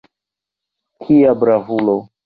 Kia bravulo!